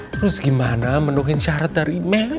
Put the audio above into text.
terus gimana mendukung syarat dari mel